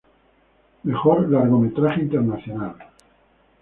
Mejor Largometraje Internacional.